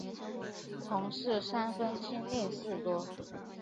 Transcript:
同事三分亲恋事多。